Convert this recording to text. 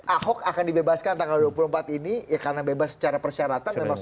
ahok akan dibebaskan tanggal dua puluh empat ini karena bebas secara persyaratan